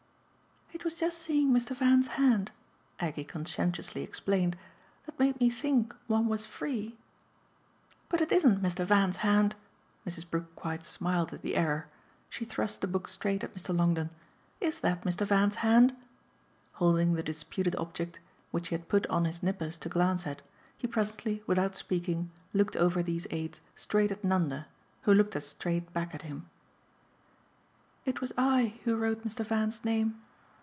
"It was just seeing Mr. Van's hand," Aggie conscientiously explained, "that made me think one was free !" "But it isn't Mr. Van's hand!" Mrs. Brook quite smiled at the error. She thrust the book straight at Mr. Longdon. "IS that Mr. Van's hand?" Holding the disputed object, which he had put on his nippers to glance at, he presently, without speaking, looked over these aids straight at Nanda, who looked as straight back at him. "It was I who wrote Mr. Van's name."